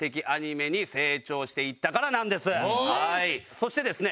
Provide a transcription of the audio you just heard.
そしてですね